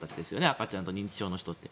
赤ちゃんと認知症の人たちって。